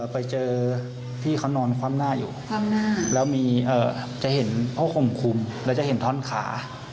ไปเจอพี่เขานอนคว่ำหน้าอยู่แล้วมีจะเห็นผ้าข่มคุมแล้วจะเห็นท่อนขา